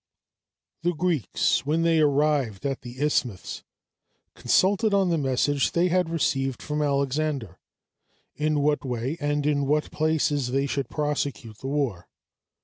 The Greeks, when they arrived at the Isthmus, consulted on the message they had received from Alexander, in what way and in what places they should prosecute the war.